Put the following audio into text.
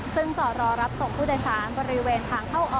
ซึ่งจอดรอรับส่งผู้โดยสารบริเวณทางเข้าออก